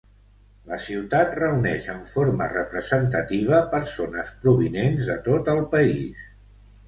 La ciutat reuneix en forma representativa persones provinents de tot el país.